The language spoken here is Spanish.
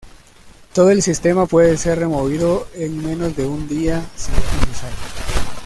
Todo el sistema puede ser removido en menos de un día si es necesario.